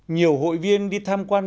nhiều hội viên đi tham quan